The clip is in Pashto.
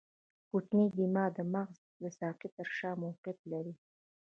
کوچنی دماغ د مغز د ساقې تر شا موقعیت لري.